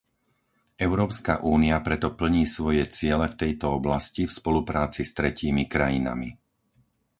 Európska únia preto plní svoje ciele v tejto oblasti v spolupráci s tretími krajinami.